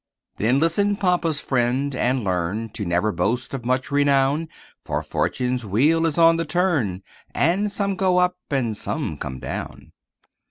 Then listen, pompous friend, and learn To never boast of much renown, For fortune's wheel is on the turn, And some go up and some come down.